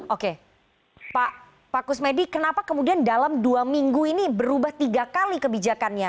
oke pak kusmedi kenapa kemudian dalam dua minggu ini berubah tiga kali kebijakannya